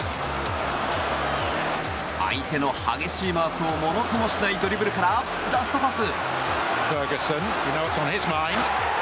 相手の激しいマークもものともしないドリブルからラストパス。